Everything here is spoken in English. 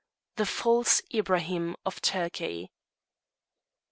THE FALSE IBRAHIM OF TURKEY.